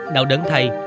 đạo đớn thay